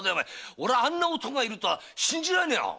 俺はあんな男がいるとは信じられねえや！